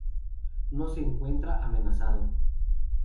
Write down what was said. No se encuentra amenazado